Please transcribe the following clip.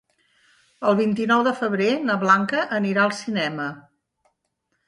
El vint-i-nou de febrer na Blanca anirà al cinema.